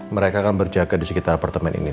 mereka akan berjaga di sekitar apartemen ini